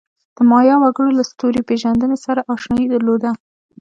د مایا وګړو له ستوري پېژندنې سره آشنایي درلوده.